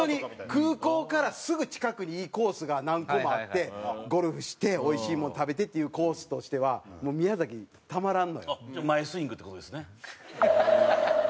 空港からすぐ近くにいいコースが何個もあってゴルフしておいしいもん食べてっていうコースとしては宮崎たまらんのよ。